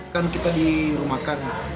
kan kita dirumahkan